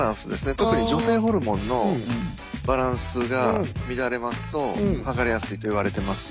特に女性ホルモンのバランスが乱れますと剥がれやすいといわれてます。